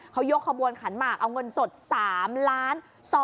เขายกขบวนขันมากเอาเงินสด๓๒๑๙๐๐๐บาท